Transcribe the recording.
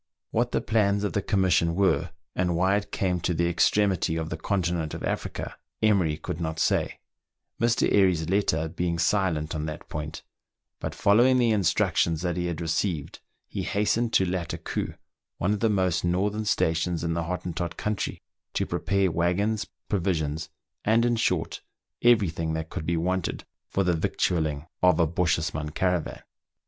What the plans of the commission were, and why it came to the extremity of the continent of Africa, Emery could not say, Mr. Airy's letter being silent on that point ; but following the instructions that he had received, he hastened to Lattakoo, one of the most northern stations in the Hottentot country, to prepare waggons, provisions, and, in short, every thing that could be wanted for the vic tualling of a Bochjesman caravan.